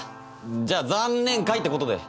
じゃあ残念会ってことで。